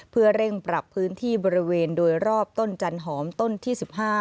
เพื่อเร่งปรับพื้นที่บริเวณโดยรอบต้นจันหอมต้นที่๑๕